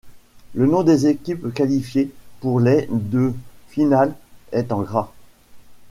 Le nom des équipes qualifiées pour les de finale est en gras.